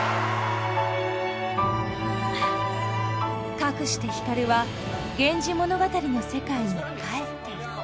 かくして光は「源氏物語」の世界に帰っていった。